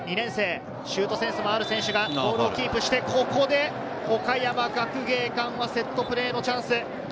シュートセンスもある選手がボールをキープして、ここで岡山学芸館はセットプレーのチャンス。